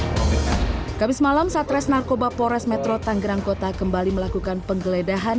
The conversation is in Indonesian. hai kaya habis malam satres narkoba pores metro tanggerang kota kembali melakukan penggeledahan